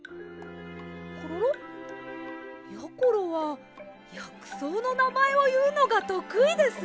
コロロ？やころはやくそうのなまえをいうのがとくいです。